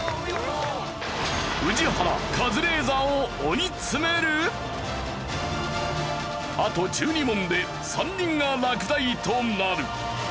宇治原カズレーザーをあと１２問で３人が落第となる。